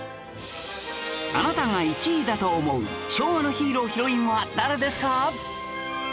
あなたが１位だと思う昭和のヒーロー＆ヒロインは誰ですか？